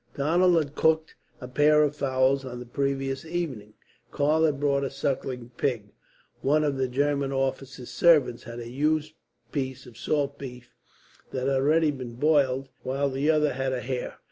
Donald had cooked a pair of fowls on the previous evening. Karl had bought a sucking pig. One of the German officer's servants had a huge piece of salt beef, that had already been boiled, while the other had a hare.